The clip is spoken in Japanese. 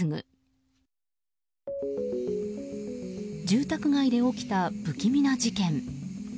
住宅街で起きた不気味な事件。